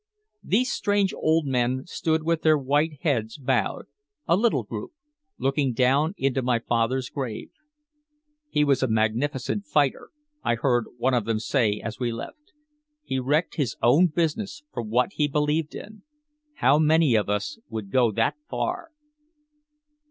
These strange old men stood with their white heads bowed, a little group, looking down into my father's grave. "He was a magnificent fighter," I heard one of them say as we left. "He wrecked his own business for what he believed in. How many of us would go that far?"